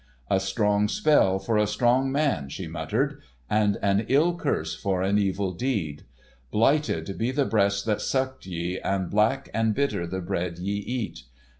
"A strong spell for a strong man," she muttered, "and an ill curse for an evil deed. Blighted be the breasts that sucked ye, and black and bitter the bread ye cat.